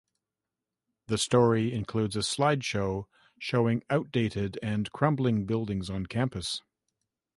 The story includes a slideshow showing outdated and crumbling buildings on campus.